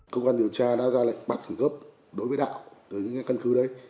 cơ quan điều tra đã ra lệnh bắt khử gấp đối với đạo